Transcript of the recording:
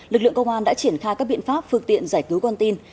lực lượng công an đã triển khai các biện pháp phương tiện giải cứu con tin